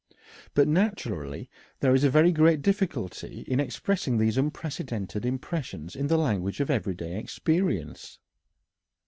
But, naturally, there is a very great difficulty in expressing these unprecedented impressions in the language of everyday experience.